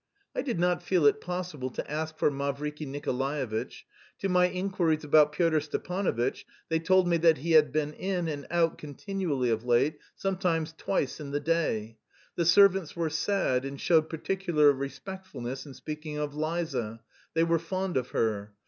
I did not feel it possible to ask for Mavriky Nikolaevitch. To my inquiries about Pyotr Stepanovitch they told me that he had been in and out continually of late, sometimes twice in the day. The servants were sad, and showed particular respectfulness in speaking of Liza; they were fond of her.